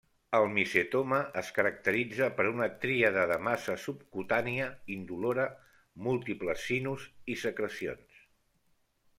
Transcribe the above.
El micetoma es caracteritza per una tríada de massa subcutània indolora, múltiples sinus i secrecions.